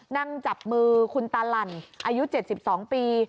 นั่งจับมือคุณตาหลั่นอายุ๗๒ปี